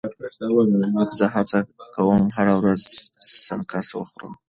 زه هڅه کوم هره ورځ سنکس وخورم.